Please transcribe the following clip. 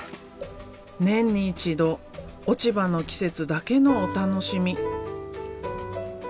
年に一度落ち葉の季節だけのお楽しみ。